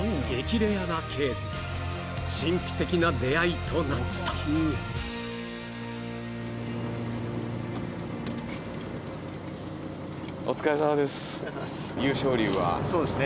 レアなケース神秘的な出会いとなったお疲れさまですそうですね